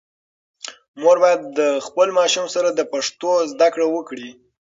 مور باید د خپل ماشوم سره د پښتو زده کړه وکړي.